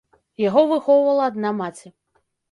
Яго выхоўвала адна маці.